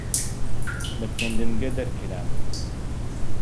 لە خوێندنگە دەرکرام.